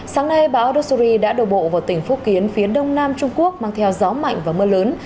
sáng nay bão adosuri đã đổ bộ vào tỉnh phúc kiến phía đông nam trung quốc mang theo gió mạnh và mưa lớn